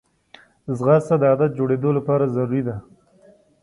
ځغاسته د عادت جوړېدو لپاره ضروري ده